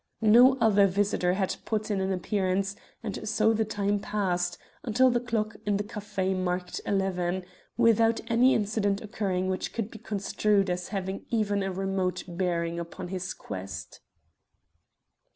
No other visitor had put in an appearance, and so the time passed, until the clock in the café marked eleven, without any incident occurring which could be construed as having even a remote bearing upon his quest.